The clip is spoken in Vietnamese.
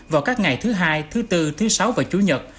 vào các ngày thứ hai thứ bốn thứ sáu và chủ nhật